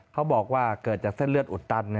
เขาบอกว่าเกิดจากเส้นเลือดอุดตัน